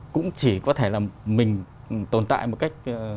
cũng chỉ có thể là mình tồn tại một cách